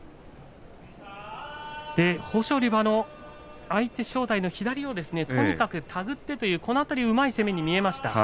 豊昇龍は相手正代の左をとにかく手繰ってというこの辺りうまい攻めに見えました。